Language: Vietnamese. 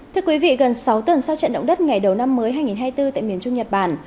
thưa quý vị gần sáu tuần sau trận động đất ngày đầu năm mới hai nghìn hai mươi bốn tại miền trung nhật bản